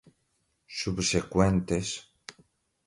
subsequentes